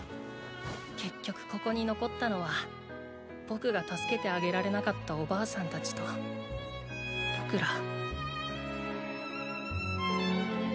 結局ここに残ったのは僕が助けてあげられなかったおばあさん達と僕ら。